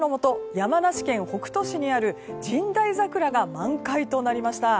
山梨県北杜市にある神代桜が満開となりました。